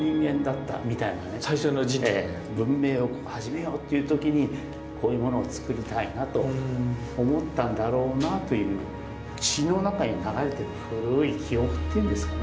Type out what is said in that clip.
文明を始めようという時にこういうものを作りたいなと思ったんだろうなという血の中に流れてる古い記憶っていうんですかね